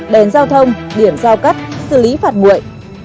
đèn giao thông điểm giao cắt xử lý phạt nguội